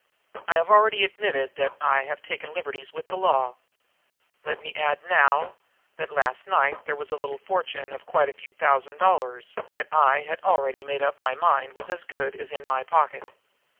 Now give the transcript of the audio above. I have already admitted that I have taken liberties with the law. Let me add now that last night there was a little fortune of quite a few thousand dollars that I had already made up my mind was as good as in my pocket.